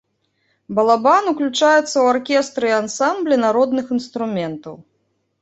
Балабан ўключаецца ў аркестры і ансамблі народных інструментаў.